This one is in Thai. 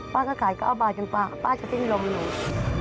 ป๊าก็ขาย๙บาทจนกว่าป๊าจะขึ้นลมหน่อย